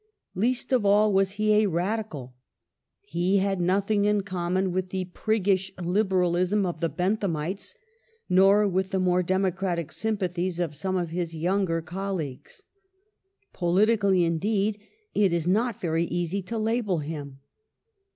Least of all was he a Radical. He had nothing in common with the priggish Liberalism of the Benthamites, nor with the more democratic sympathies of some of his younger colleagues. Politically, indeed, it is not very easy to lal)el him.